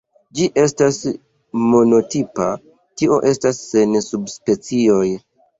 Ĝi estas monotipa, tio estas sen subspecioj.